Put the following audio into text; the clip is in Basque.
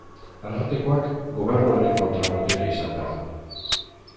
Arartekoak Gobernuaren kontra-boterea izan behar du.